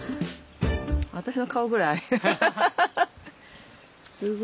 私の顔ぐらいある。